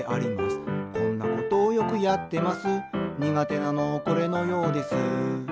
「こんなことよくやってます」「苦手なのこれのようです」